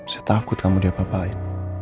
saya takut kamu diapapain